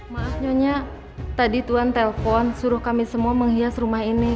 maaf nyonya tadi tuhan telpon suruh kami semua menghias rumah ini